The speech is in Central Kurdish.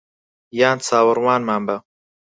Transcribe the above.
یان چاوەڕوانمان بە